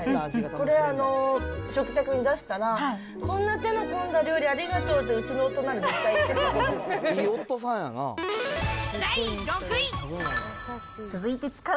これ、食卓に出したら、こんな手の込んだ料理ありがとうって、うちの夫なら絶対言う。